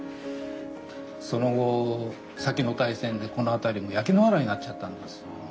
その後先の大戦でこの辺りも焼け野原になっちゃったんです。